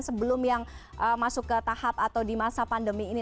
sebelum yang masuk ke tahap atau di masa pandemi ini